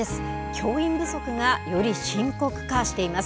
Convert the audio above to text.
教員不足がより深刻化しています。